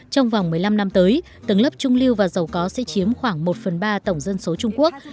trong vòng một mươi năm năm tới tầng lớp trung lưu và giàu có sẽ chiếm khoảng một phần ba tổng dân số trung quốc